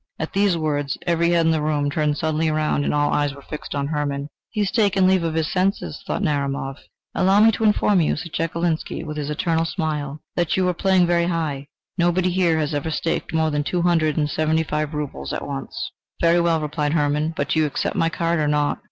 At these words every head in the room turned suddenly round, and all eyes were fixed upon Hermann. "He has taken leave of his senses!" thought Narumov. "Allow me to inform you," said Chekalinsky, with his eternal smile, "that you are playing very high; nobody here has ever staked more than two hundred and seventy five rubles at once." "Very well," replied Hermann; "but do you accept my card or not?"